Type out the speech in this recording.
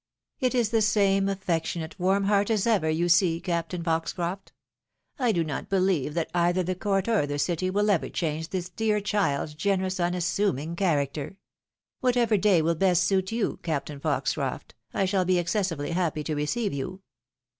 It is the same affectionate, warm heart as ever, you see. Captain Foxcroft ! I do not believe that either the court or the city will ever change this dear child's generous, unassuming character ! Whatever day will best suit you, Captain Foxcroft, I shall be excessively happy to receive you."